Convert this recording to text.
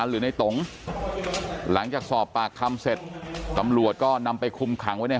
หรือในตงหลังจากสอบปากคำเสร็จตำรวจก็นำไปคุมขังไว้ใน